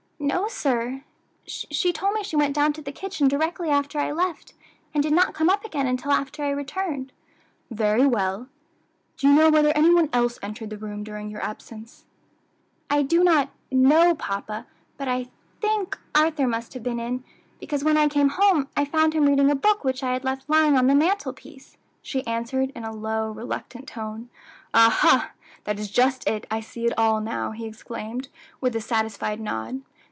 "No, sir; she told me she went down to the kitchen directly after I left, and did not come up again until after I returned." "Very well; do you know whether any one else entered the room during your absence?" "I do not know, papa, but I think Arthur must have been in, because when I came home I found him reading a book which I had left lying on the mantel piece," she answered in a low, reluctant tone. "Ah, ha! that is just it! I see it all now," he exclaimed, with a satisfied nod.